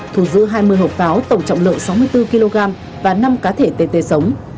thu giữ hai mươi hộp pháo tổng trọng lượng sáu mươi bốn kg và năm cá thể tt sống